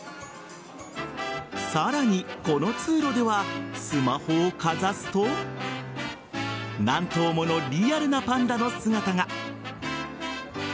さらに、この通路ではスマホをかざすと何頭ものリアルなパンダの姿が。